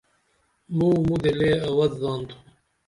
مو مودے لے اوت زانتھم